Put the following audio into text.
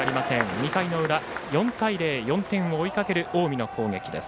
２回の裏４対０４点を追いかける近江の攻撃です。